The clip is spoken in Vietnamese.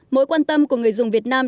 mối quan tâm của người dùng việt nam